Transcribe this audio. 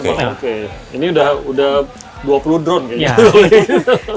oke ini udah dua puluh drone kayaknya